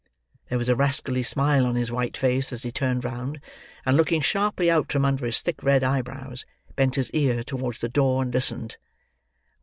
There was a rascally smile on his white face as he turned round, and looking sharply out from under his thick red eyebrows, bent his ear towards the door, and listened.